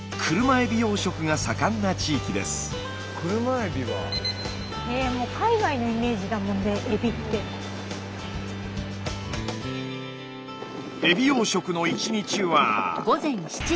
エビ養殖の１日は。